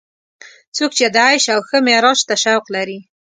څوک چې د عیش او ښه معراج ته شوق لري.